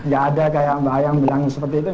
gak ada kayak mbak ayang bilang seperti itu